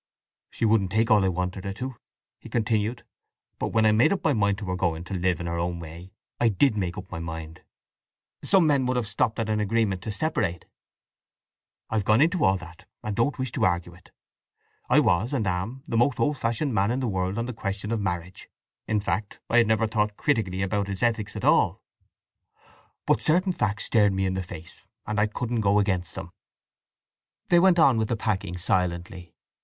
"She wouldn't take all I wanted her to," he continued. "But when I made up my mind to her going to live in her own way I did make up my mind." "Some men would have stopped at an agreement to separate." "I've gone into all that, and don't wish to argue it. I was, and am, the most old fashioned man in the world on the question of marriage—in fact I had never thought critically about its ethics at all. But certain facts stared me in the face, and I couldn't go against them." They went on with the packing silently.